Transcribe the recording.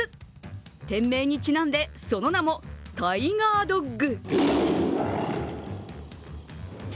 店名にちなんで、その名もタイガードッグ。